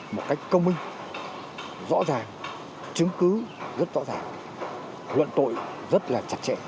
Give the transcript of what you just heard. một cách công minh rõ ràng chứng cứ rất rõ ràng luận tội rất là chặt chẽ